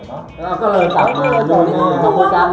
แล้วก็เลยจัดมาแล้วโดยการ